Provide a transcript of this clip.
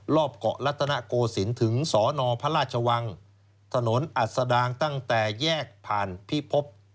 รอบเกาะรัตนโกศิลป์ถึงสนพระราชวังถนนอัศดางตั้งแต่แยกผ่านพิภพ